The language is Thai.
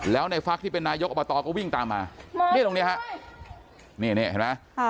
แล้วในฟักที่เป็นนายกอบตก็วิ่งตามมานี่ตรงนี้ฮะนี่นี่เห็นไหม